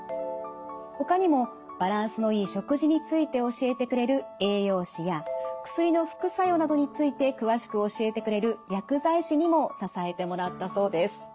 ほかにもバランスのいい食事について教えてくれる栄養士や薬の副作用などについて詳しく教えてくれる薬剤師にも支えてもらったそうです。